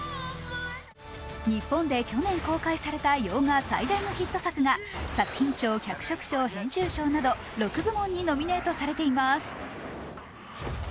日本で去年公開された洋画最大のヒット作が作品賞、脚色賞、編集賞など６部門にノミネートされています。